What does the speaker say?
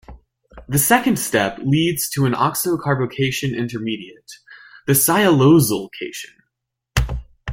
The second step leads to an oxocarbocation intermediate, the sialosyl cation.